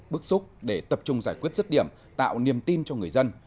bức xúc để tập trung giải quyết rứt điểm tạo niềm tin cho người dân